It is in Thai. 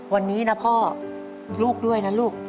วันนี้นะพ่อลูกด้วยนะลูก